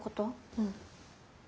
うん。